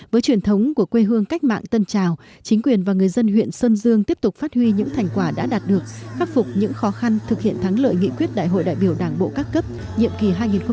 với truyền thống của quê hương cách mạng tân trào chính quyền và người dân huyện sơn dương tiếp tục phát huy những thành quả đã đạt được khắc phục những khó khăn thực hiện thắng lợi nghị quyết đại hội đại biểu đảng bộ các cấp nhiệm kỳ hai nghìn một mươi năm hai nghìn hai mươi